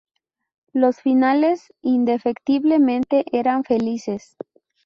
Los finales, indefectiblemente, eran felices.